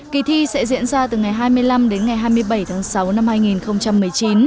kỳ thi sẽ diễn ra từ ngày hai mươi năm đến ngày hai mươi bảy tháng sáu năm hai nghìn một mươi chín